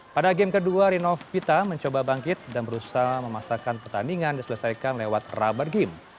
pada game kedua rinov pita mencoba bangkit dan berusaha memaksakan pertandingan diselesaikan lewat rubber game